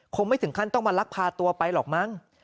ไม่ถึงขั้นต้องมาลักพาตัวไปหรอกมั้ง